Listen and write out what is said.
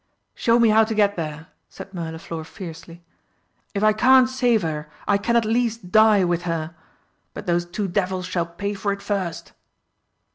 "Show me how to get there!" said Mirliflor fiercely. "If I can't save her I can at least die with her. But those two devils shall pay for it first!"